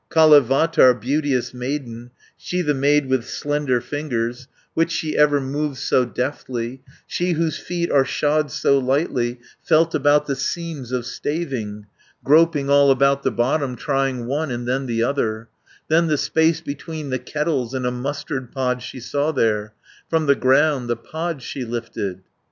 320 "Kalevatar, beauteous maiden, She the maid with slender fingers, Which she ever moves so deftly, She whose feet are shod so lightly Felt about the seams of staving, Groping all about the bottom, Trying one and then the other, Then the space between the kettles, And a mustard pod she saw there; From the ground the pod she lifted.